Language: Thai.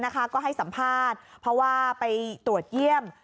ก็ให้สัมภาษณ์เพราะว่าไปตรวจเยี่ยม